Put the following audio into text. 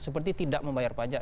seperti tidak membayar pajak